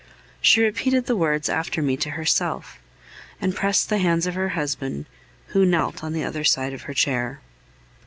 She repeated the words after me to herself, and pressed the hands of her husband, who knelt on the other side of the chair.